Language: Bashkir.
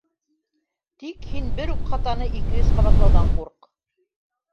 Тик һин бер үк хатаны ике-өс ҡабатлауҙан ҡурҡ.